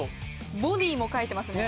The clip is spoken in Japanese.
ボディーも描いてますね。